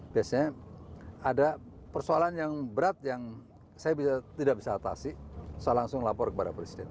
biasanya ada persoalan yang berat yang saya tidak bisa atasi saya langsung lapor kepada presiden